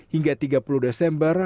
hingga tiga puluh desember